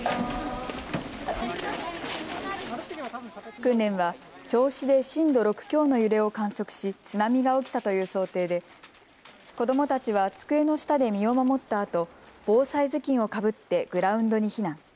訓練は銚子で震度６強の揺れを観測し津波が起きたという想定で子どもたちは机の下で身を守ったあと防災頭巾をかぶってグラウンドに避難。